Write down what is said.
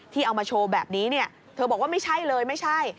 เอามาโชว์แบบนี้เนี่ยเธอบอกว่าไม่ใช่เลยไม่ใช่